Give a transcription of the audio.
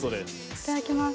いただきます。